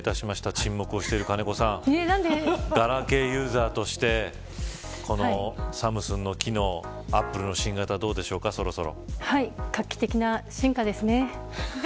沈黙している金子さんガラケーユーザーとしてこのサムスンの機能画期的な進化ですね。